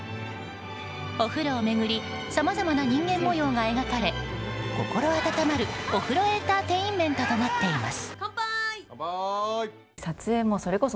お風呂を巡りさまざまな人間模様が描かれ心温まるお風呂エンターテインメントとなっています。